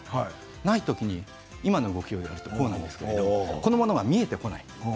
ないときに今の動きをやるとこうなんですけれどもボールが見えてこない。